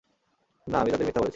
না, আমি তাদের মিথ্যা বলেছি।